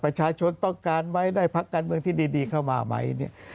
ประชาชนต้องการไหมได้พักการเมืองที่ดีเข้ามาไหมเนี่ย